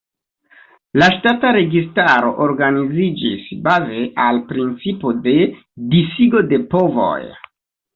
La ŝtata registaro organiziĝis baze al principo de disigo de povoj.